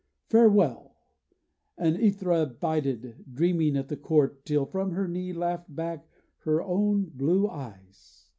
Farewell!' And Æthra bided, dreaming, at the court, Till from her knee laughed back her own blue eyes.